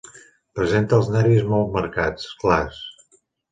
Presenta els nervis molt marcats, clars.